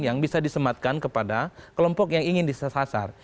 yang bisa disematkan kepada kelompok yang ingin disesasar